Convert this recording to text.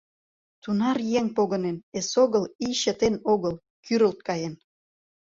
Тунар еҥ погынен, эсогыл ий чытен огыл — кӱрылт каен.